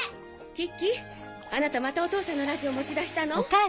キキあなたまたお父さんのラジオ持ち出したの？